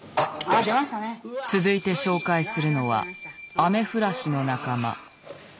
続いて紹介するのはアメフラシの仲間。